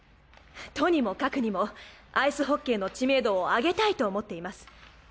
とにもかくにもアイスホッケーの知名度を上げたいと思っています。